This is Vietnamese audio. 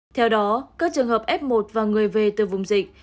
theo đó các trường hợp f một và người về từ vùng dịch